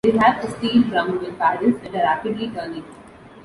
They have a steel drum with paddles that are rapidly turning.